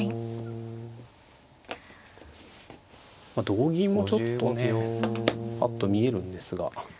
同銀もちょっとねぱっと見えるんですが。